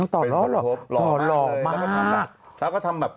ต่อหรอหล่อมาก